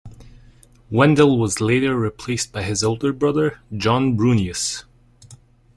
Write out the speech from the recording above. Wendell was later replaced by his older brother, John Brunious.